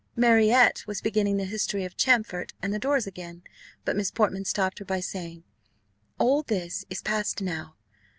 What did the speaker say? Marriott was beginning the history of Champfort and the doors again; but Miss Portman stopped her by saying, "All this is past now.